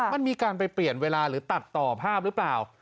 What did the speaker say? มันมีการไปเปลี่ยนเวลาหรือตัดต่อภาพหรือเปล่า